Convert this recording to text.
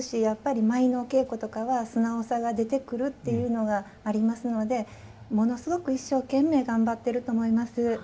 やっぱり舞のお稽古とかは素直さが出てくるっていうのがありますのでものすごく一生懸命頑張ってると思います。